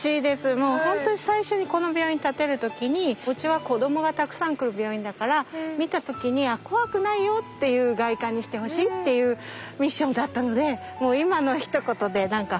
もう本当に最初にこの病院建てる時にうちは子どもがたくさん来る病院だから見た時に「怖くないよ」っていう外観にしてほしいっていうミッションだったのでもう今のひと言で何かホッとしました。